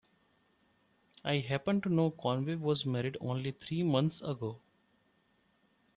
I happen to know Conway was married only three months ago.